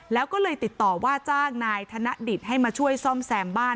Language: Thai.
แล้วก็เลยติดต่อว่าจ้างนายธนดิตให้มาช่วยซ่อมแซมบ้าน